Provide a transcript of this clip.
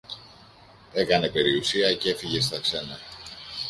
έκανε περιουσία κι έφυγε στα ξένα